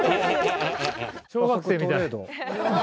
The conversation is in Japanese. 小学生みたい。